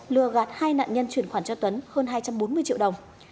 để truyền khoản cho tuấn hơn hai trăm bốn mươi triệu đồng